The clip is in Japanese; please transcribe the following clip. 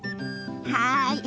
はい。